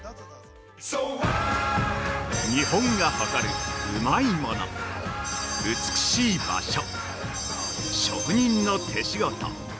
◆日本が誇るうまいもの美しい場所、職人の手仕事。